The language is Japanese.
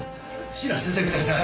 死なせてください！